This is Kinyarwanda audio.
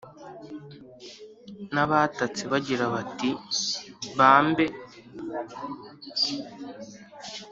n’abatatse bagira bati bambe